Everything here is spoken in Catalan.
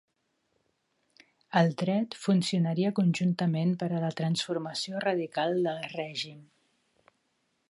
El dret funcionaria conjuntament per a la transformació radical del règim.